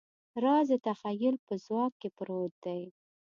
راز د تخیل په ځواک کې پروت دی.